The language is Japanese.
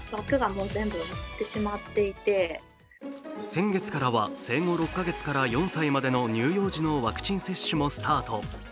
先月からは生後６か月から４歳までの乳幼児のワクチン接種もスタート。